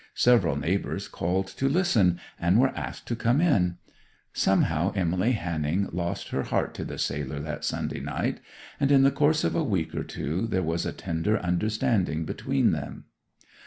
Several neighbours called to listen, and were asked to come in. Somehow Emily Hanning lost her heart to the sailor that Sunday night, and in the course of a week or two there was a tender understanding between them.